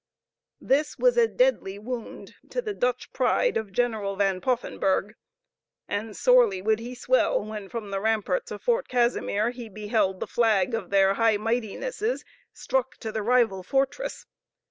This was a deadly wound to the Dutch pride of General Van Poffenburgh, and sorely would he swell when from the ramparts of Fort Casimir he beheld the flag of their High Mightinesses struck to the rival fortress.